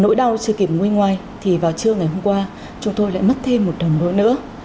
nỗi đau chưa kịp ngôi ngoài thì vào trưa ngày hôm qua chúng tôi lại mất thêm một đồng nữa